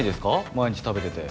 毎日食べてて。